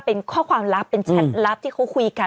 เป็นข้อความลับเป็นแชทลับที่เขาคุยกัน